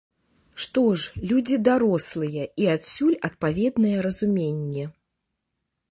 Што ж, людзі дарослыя і адсюль адпаведнае разуменне.